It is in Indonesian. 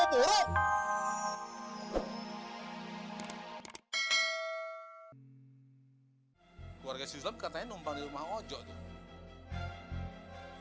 keluarga sizeb katanya numpang di rumah ojo tuh